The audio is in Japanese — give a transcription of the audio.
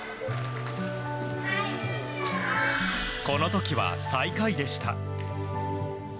この時は最下位でした。